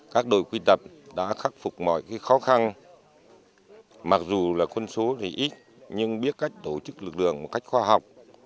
các đội quy tập đã khắc phục mọi khó khăn mặc dù là quân số thì ít nhưng biết cách tổ chức lực lượng một cách khoa học